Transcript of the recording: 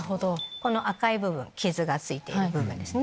この赤い部分傷がついている部分ですね。